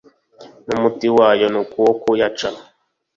n’umuti wayo n’ukuwo kuyaca